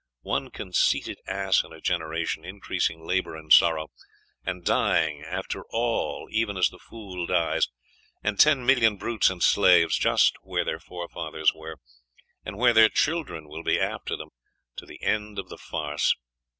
One conceited ass in a generation increasing labour and sorrow, and dying after all even as the fool dies, and ten million brutes and slaves, just where their fore fathers were, and where their children will be after them, to the end of the farce....